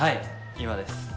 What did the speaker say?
今です。